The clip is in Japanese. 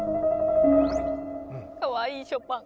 かわいいショパン。